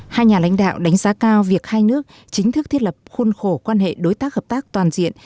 hai nhà lãnh đạo đánh giá cao việc hai nước chính thức thiết lập khuôn khổ quan hệ đối tác hợp tác toàn diện